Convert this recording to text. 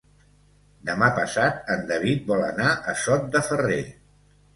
Demà passat en David vol anar a Sot de Ferrer.